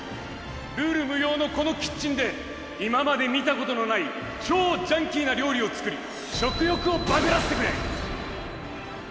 ルール無用のこのキッチンで今まで見たことのない超ジャンキーな料理を作りいざ